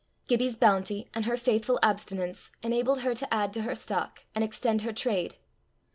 Gibbie's bounty and her faithful abstinence enabled her to add to her stock and extend her trade.